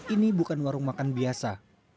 ini bukan warung makan biasa